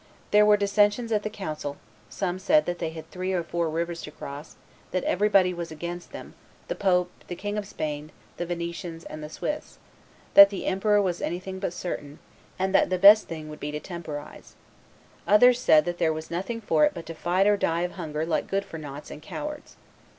There were dissensions at the council: some said that they had three or four rivers to cross; that everybody was against them, the pope, the King of Spain, the Venetians, and the Swiss; that the emperor was anything but certain, and that the best thing would be to temporize: others said that there was nothing for it but to fight or die of hunger like good for noughts and cowards.